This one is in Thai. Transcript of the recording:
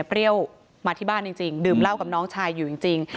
เปรี้ยวมาที่บ้านจริงดื่มเหล้ากับน้องชายอยู่จริง